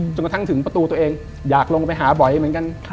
กระทั่งถึงประตูตัวเองอยากลงไปหาบ่อยเหมือนกัน